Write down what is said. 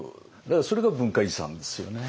だからそれが文化遺産ですよね。